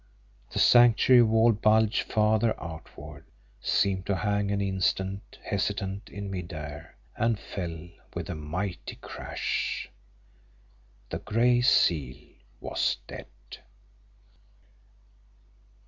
The Sanctuary wall bulged farther outward, seemed to hang an instant hesitant in mid air and fell with a mighty crash. The Gray Seal was dead!